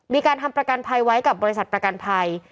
มีการทำประกันภัยไว้กับบริษัทประกันภัย